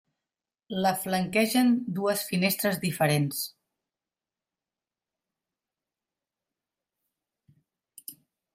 La flanquegen dues finestres diferents.